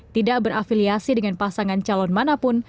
tidak berafiliasi dengan pasangan calon manapun